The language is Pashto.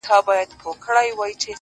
ستا شاعرۍ ته سلامي كومه ـ